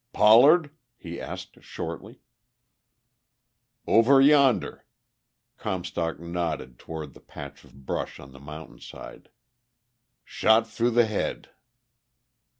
"Pollard?" he asked shortly. "Over yonder." Comstock nodded toward the patch of brush on the mountainside. "Shot through the head."